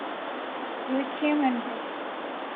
Rueckheim and Bro.